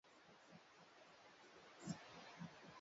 na mwengine anaweza kusambaza maarifa aliyonayo